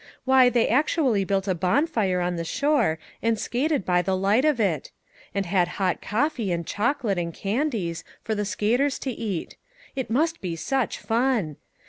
Why, they actually built a bonfire on the shore and skated by the light of it ! and had hot coffee, and chocolate, and candies, for the skaters to eat. It must be such fun